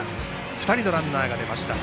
２人のランナーが出ました。